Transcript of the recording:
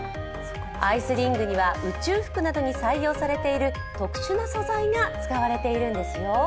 ＩＣＥＲＩＮＧには宇宙服などに採用されている特殊な素材が使われているんですよ。